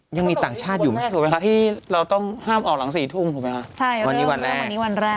ยังมีต่างชาติอยู่ไหม